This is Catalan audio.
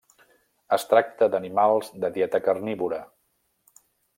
Es tracta d'animals de dieta carnívora.